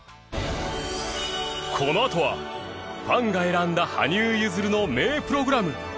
このあとはファンが選んだ羽生結弦の名プログラム。